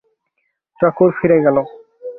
চাকর ফিরে গেল।